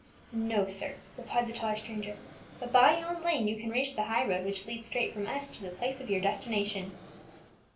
"No, sir," replied the taller stranger; "but by yon lane you can reach the high road which leads straight from S to the place of your destination."